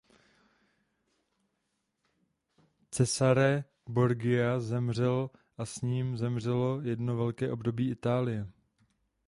Cesare Borgia zemřel a s ním zemřelo jedno velké období Itálie.